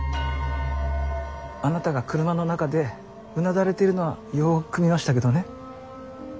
あなたが車の中でうなだれてるのはよく見ましたけどね。